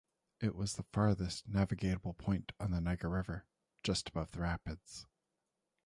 It was the farthest navigable point on the Niger River, just above the rapids.